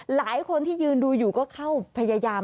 หลายคนที่ยืนดูอยู่ก็เข้าพยายาม